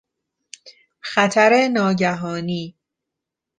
خطر ناگهانی